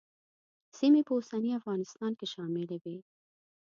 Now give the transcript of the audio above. سیمې په اوسني افغانستان کې شاملې وې.